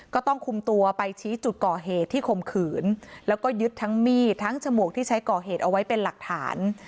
ก็ต้องคุมตัวไปชี้จุดก่อเหตุที่คมขืนแล้วก็ยึดทั้งมีดทั้งฉมวกที่ใช้ก่อเหตุเอาไว้เป็นหลักฐาน